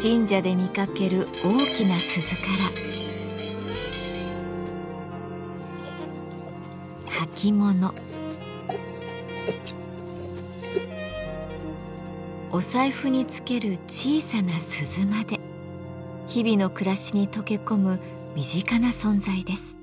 神社で見かける大きな鈴から履物お財布につける小さな鈴まで日々の暮らしに溶け込む身近な存在です。